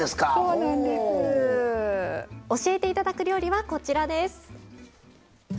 教えていただく料理はこちらです。